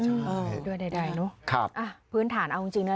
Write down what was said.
ใช่ด้วยใดเนอะครับอ่ะพื้นฐานเอาจริงจริงนะ